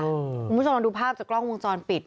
ผมจะลองดูภาพจากกล้องวงจรปิด